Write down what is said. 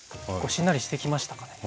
しんなりしてきましたかね。